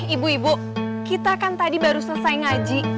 ibu ibu kita kan tadi baru selesai ngaji